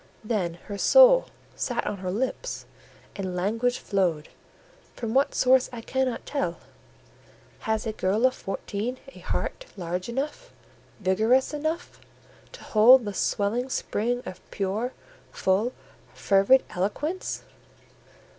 Then her soul sat on her lips, and language flowed, from what source I cannot tell. Has a girl of fourteen a heart large enough, vigorous enough, to hold the swelling spring of pure, full, fervid eloquence?